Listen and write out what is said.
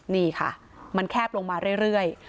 นี่ค่ะมันแคบลงมาเรื่อย